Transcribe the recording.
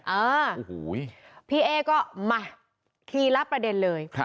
อ่าพี่เอ๊กก็มาคีย์รับประเด็นเลย